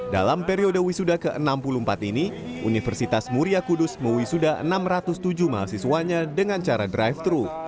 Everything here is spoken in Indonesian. dalam periode wisuda ke enam puluh empat ini universitas muria kudus mewisuda enam ratus tujuh mahasiswanya dengan cara drive thru